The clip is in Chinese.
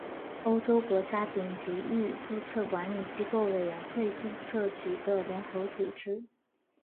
欧洲国家顶级域注册管理机构委员会注册局的联合组织。